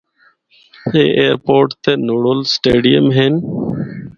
اے ایئرپورٹ تے نڑول سٹیڈیم ہن۔